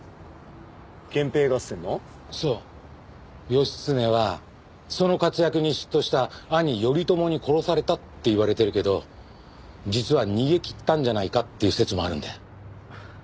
義経はその活躍に嫉妬した兄頼朝に殺されたっていわれてるけど実は逃げきったんじゃないかっていう説もあるんだよ。